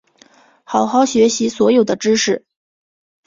好好学习所有的知识